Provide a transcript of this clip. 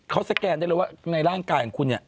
เขาสแกนได้เลยว่าในร่างกายของคุณเนี่ย